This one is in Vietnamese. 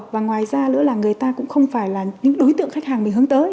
và ngoài ra nữa là người ta cũng không phải là những đối tượng khách hàng mình hướng tới